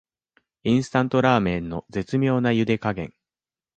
インスタントラーメンの絶妙なゆで加減